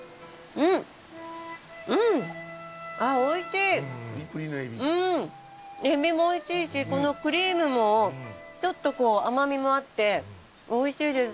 うんえびもおいしいしこのクリームもちょっとこう甘みもあっておいしいです。